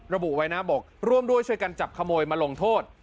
ระบุไว้นะบอกร่วมด้วยช่วยกันจับขโมยมาลงโทษ